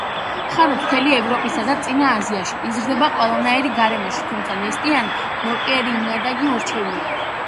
ხარობს მთელს ევროპასა და წინა აზიაში, იზრდება ყველანაირ გარემოში, თუმცა ნესტიანი, ნოყიერი ნიადაგი ურჩევნია.